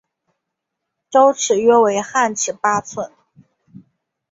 周尺约为汉尺八寸。